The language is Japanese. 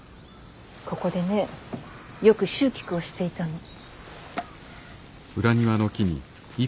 ここでねよく蹴鞠をしていたの。